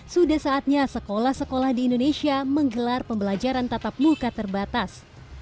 sudah saatnya sekolah sekolah di indonesia menggelar pembelajaran tatap muka terbatas